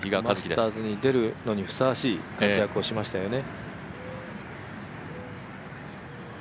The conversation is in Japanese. マスターズに出るふさわしい活躍をしましたよね。